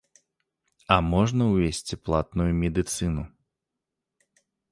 А можна увесці платную медыцыну.